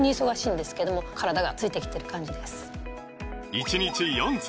１日４粒！